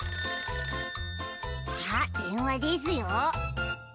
☎あっでんわですよ。